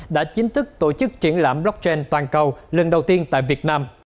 đã chính thức tổ chức triển lãm blockchain toàn cầu lần đầu tiên tại việt nam